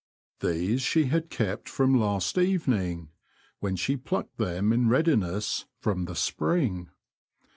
These she had kept from last evening, when she plucked them in readiness, from the spring.